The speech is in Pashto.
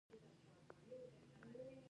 په افغانستان کې د کندهار لپاره اقدامات کېږي.